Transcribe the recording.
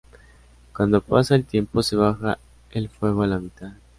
Cuando pasa el tiempo se baja el fuego a la mitad.